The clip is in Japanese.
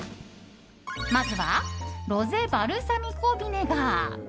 まずはロゼバルサミコヴィネガー。